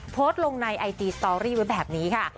โพสต์ลงในไอจีสตอรี่ไว้แบบนี้ค่ะ